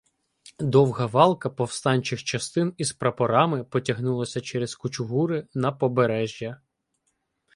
Довга валка повстанчих частин із прапорами потягнулася через кучугури на Побережжя.